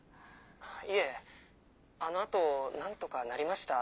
いえあの後何とかなりました？